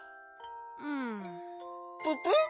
うん。ププ？